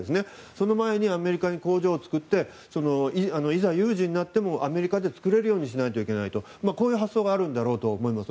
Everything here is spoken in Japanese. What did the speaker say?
その場合にアメリカに工場を作っていざ有事になってもアメリカで作れるようにしないといけないとこういう発想があるんだろうと思います。